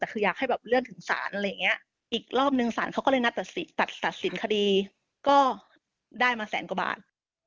แต่คืออยากให้แบบเลื่อนถึงศาลอะไรอย่างนี้อีกรอบนึงศาลเขาก็เลยนัดตัดสินคดีก็ได้มาแสนกว่าบาท